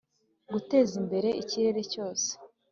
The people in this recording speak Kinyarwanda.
Gutezimbere ikirere cyose